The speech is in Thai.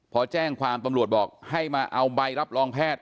พอแจ้งความตำรวจบอกให้มาเอาใบรับรองแพทย์